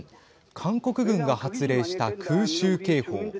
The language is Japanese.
韓国軍が発令した空襲警報。